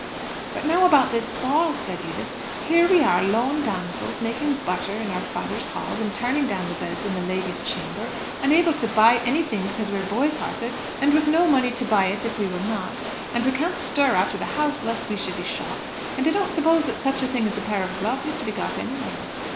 "But now about this ball?" said Edith. "Here we are, lone damsels, making butter in our father's halls, and turning down the beds in the lady's chamber, unable to buy anything because we are boycotted, and with no money to buy it if we were not. And we can't stir out of the house lest we should be shot, and I don't suppose that such a thing as a pair of gloves is to be got anywhere."